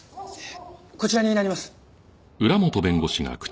こちらになります。